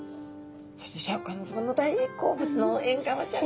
そしてシャーク香音さまの大好物のえんがわちゃんが。